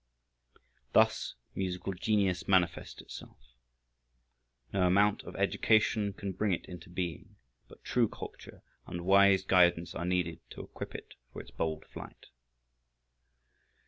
Thus musical genius manifests itself. No amount of education can bring it into being, but true culture and wise guidance are needed to equip it for its bold flight.